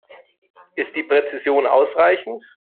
Ist die Präzision ausreichend?